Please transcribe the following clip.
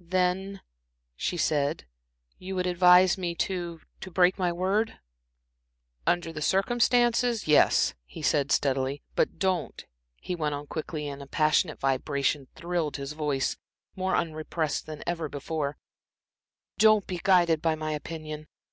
"Then," she said, "you would advise me to to break my word?" "Under the circumstances yes," he said, steadily. "But don't," he went on quickly, and passionate vibration thrilled his voice, more unrepressed than ever before, "don't be guided by my opinion.